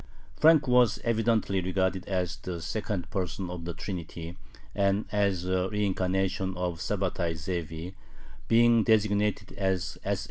Frank was evidently regarded as the second person of the Trinity and as a reincarnation of Sabbatai Zevi, being designated as S.